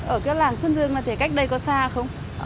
ở cái làng xuân dương mà thì cách đây có xa không